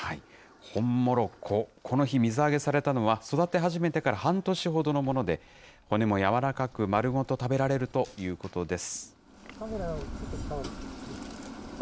ホンモロコ、この日、水揚げされたのは育て始めてから半年ほどのもので、骨も柔らかく、丸ごと食べられるということです。